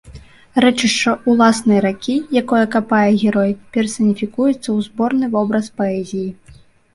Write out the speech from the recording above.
Рэчышча ўласнай ракі, якое капае герой, персаніфікуецца ў зборны вобраз паэзіі.